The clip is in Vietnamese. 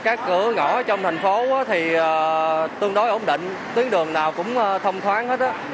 các cửa ngõ trong thành phố thì tương đối ổn định tuyến đường nào cũng thông thoáng hết đó